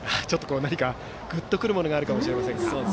グッとくるものがあるかもしれませんが。